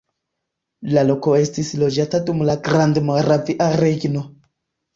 La loko estis loĝata dum la Grandmoravia Regno.